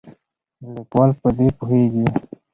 لیکوال په دې پوهیږي.